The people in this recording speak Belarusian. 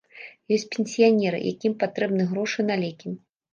Ёсць пенсіянеры, якім патрэбны грошы на лекі.